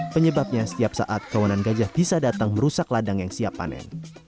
penyebabnya setiap saat kawanan gajah bisa datang merusak ladang yang siap panen